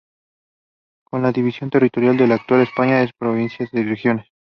Con la división territorial de la actual España en provincias y regiones.